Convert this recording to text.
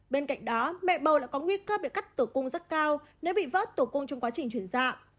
bên cạnh đó mẹ bầu lại có nguy cơ bị cắt tủ cung rất cao nếu bị vỡ tủ cung trong quá trình chuyển dạng